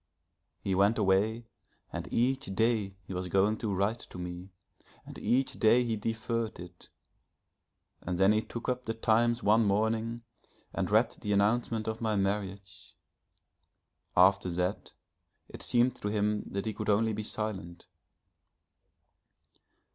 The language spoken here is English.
He went away and each day he was going to write to me, and each day he deferred it, and then he took up the Times one morning and read the announcement of my marriage. After that it seemed to him that he could only be silent....